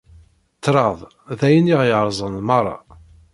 Ṭṭraḍ d ayen i ɣ-yerzan merra.